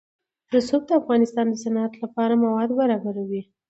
رسوب د افغانستان د صنعت لپاره مواد برابروي.